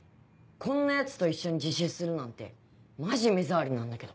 こんなヤツと一緒に自習するなんてマジ目障りなんだけど。